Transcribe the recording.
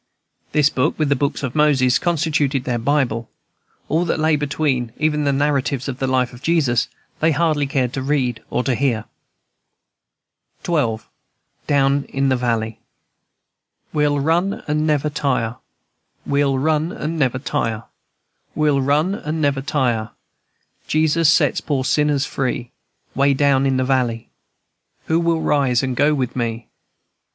This book, with the books of Moses, constituted their Bible; all that lay between, even the narratives of the life of Jesus, they hardly cared to read or to hear. XII. DOWN IN THE VALLEY. "We'll run and never tire, We'll run and never tire, We'll run and never tire, Jesus set poor sinners free. Way down in de valley, Who will rise and go with me?